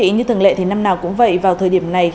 như thường lệ thì năm nào cũng vậy vào thời điểm này